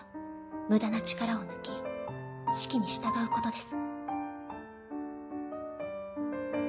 無駄な力を抜き指揮に従うことです。